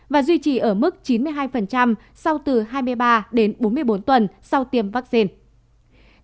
và duy trì ở mức chín mươi hai sau từ hai mươi ba đến bốn mươi bốn tuần sau tiêm vaccine